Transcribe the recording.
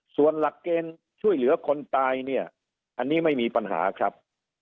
ส่วนหลักเกณฑ์ช่วยเหลือคนตายเนี่ยอันนี้ไม่มีปัญหาครับ